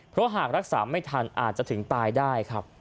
เพราะหากรักษาไม่ทันอาจจะถึงตายได้ครับ